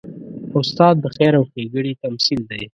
استاد د خیر او ښېګڼې تمثیل دی.